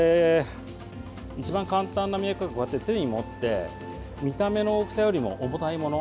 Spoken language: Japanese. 一番簡単な見分け方はこうやって手に持って見た目の大きさよりも重たいもの